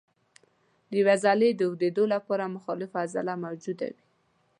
د یوې عضلې د اوږدېدو لپاره مخالفه عضله موجوده وي.